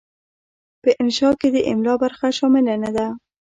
په انشأ کې د املاء برخه شامله نه ده.